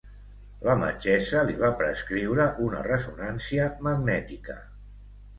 La metgessa li va prescriure una ressonància magnètica.